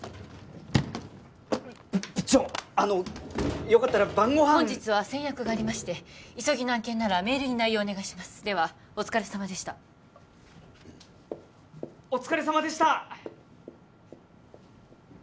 部長あのよかったら晩ごはん本日は先約がありまして急ぎの案件ならメールに内容をお願いしますではお疲れさまでしたお疲れさまでした！